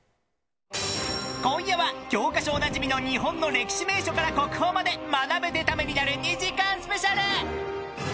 今夜は教科書でおなじみの日本の歴史名所から国宝まで学べてためになる２時間スペシャル。